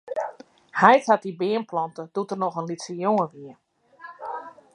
Heit hat dy beam plante doe't er noch in lytse jonge wie.